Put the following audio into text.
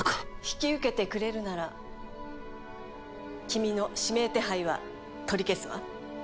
引き受けてくれるなら君の指名手配は取り消すわ。